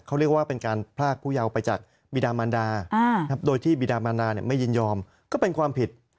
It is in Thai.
เขาเรียกว่าเป็นการพรากผู้เยาวไปจากบีดามันดาโดยที่บีดามันนาไม่ยินยอมก็เป็นความผิด